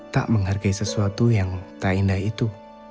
tak menghargai sesuatu yang tak indah itu